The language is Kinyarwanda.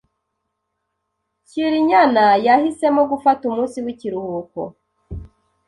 Cyrinyana yahisemo gufata umunsi w'ikiruhuko.